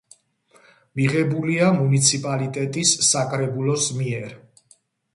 მიღებულია მუნიციპალიტეტის საკრებულოს მიერ.